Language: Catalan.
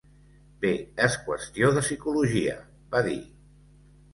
Bé, és qüestió de psicologia, va dir.